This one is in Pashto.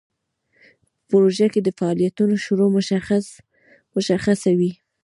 په پروژه کې د فعالیتونو شروع مشخصه وي.